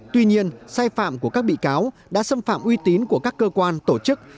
tuy nhiên sai phạm của các bị cáo đã xâm phạm uy tín của các cơ quan tổ chức